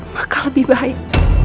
maka lebih baik